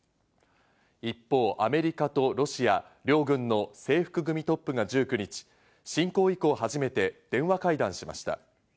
一方、アメリカとロシア両軍の制服組トップが１９日、侵攻以降、初めて電話会談しました。